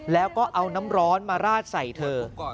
แล้วก็เอาน้ำร้อนมาราดใส่เธอ